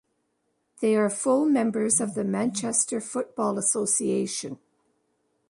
They are full members of the Manchester Football Association.